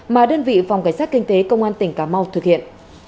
mà đơn vị phòng cảnh sát kinh tế công an tỉnh cà mau thực hiện